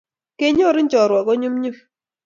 kenyoru chorwa ko nyumnyum